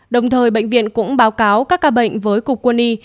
đồng thời bệnh viện cũng báo cáo các ca bệnh với cục quân y